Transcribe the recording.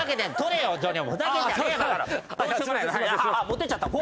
持ってっちゃった。